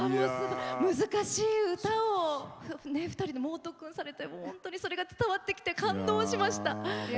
難しい歌を２人で猛特訓されて、それが伝わってきて、感動しました。